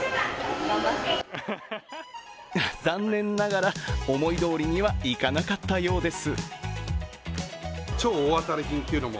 残念ながら、思いどおりにはいかなかったようです。